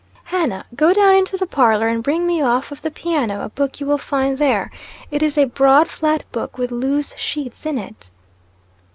"Hannah Go down into the parlor, and bring me off of the piano a book you will find there. It is a broad flat book, with loose sheets in it."